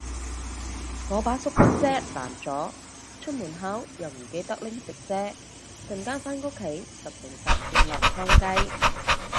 我把縮骨遮爛咗，出門口又唔記得拎直遮，陣間返屋企十成十變落湯雞